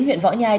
huyện võ nhai